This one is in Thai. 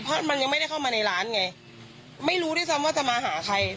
เพราะมันยังไม่ได้เข้ามาในร้านไงไม่รู้ด้วยซ้ำว่าจะมาหาใคร